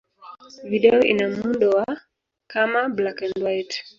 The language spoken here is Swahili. Video ina muundo wa kama black-and-white.